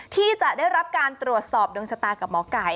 ที่จะได้รับการตรวจสอบดวงชะตากับหมอไก่